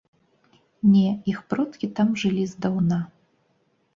Не, іх продкі там жылі здаўна.